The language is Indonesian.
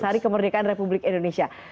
hari kemerdekaan republik indonesia